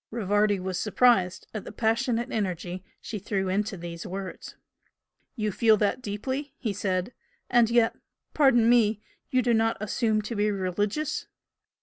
'" Rivardi was surprised at the passionate energy she threw into these words. "You feel that deeply?" he said "And yet pardon me! you do not assume to be religious?"